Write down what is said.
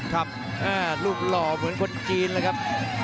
ครับรูปหล่อเหมือนคนจีนเลยครับ